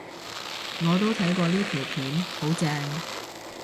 我都睇過呢條片，好正